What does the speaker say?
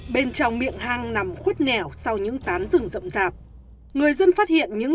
bên trong miệng hang nằm khuất nẻo sau những tán rừng rậm rạp người dân phát hiện những